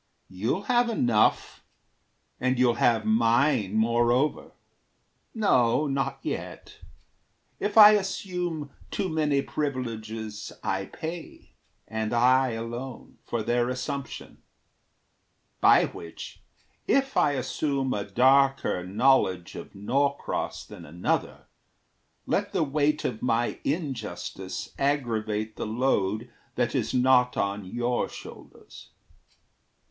You'll have enough; And you'll have mine, moreover. No, not yet. If I assume too many privileges, I pay, and I alone, for their assumption; By which, if I assume a darker knowledge Of Norcross than another, let the weight Of my injustice aggravate the load That is not on your shoulders.